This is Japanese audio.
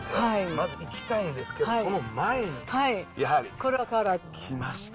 まず行きたいんですけど、その前に、やはり。きました。